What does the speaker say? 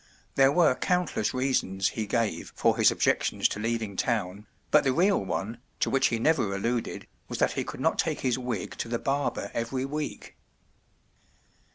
There were count¬ less reasons he gave for his objections to leaving town, but the real one, to which he never alluded, was that he could not take his wig to the barber every week.